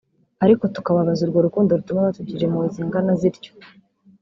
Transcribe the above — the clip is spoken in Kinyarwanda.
ariko tukababaza urwo rukundo rutuma batugirira impuhwe zingana zityo